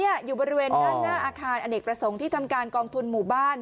อยู่บริเวณด้านหน้าอาคารอเนกประสงค์ที่ทำการกองทุนหมู่บ้าน